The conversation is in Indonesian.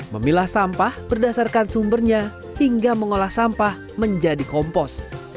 memilah sampah berdasarkan sumbernya hingga mengolah sampah menjadi kompos